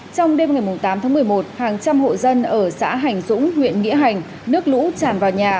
trong đêm ngày tám tháng một mươi một hàng trăm hộ dân ở xã hành dũng huyện nghĩa hành nước lũ tràn vào nhà